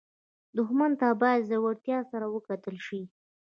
دښمن ته باید زړورتیا سره وکتل شي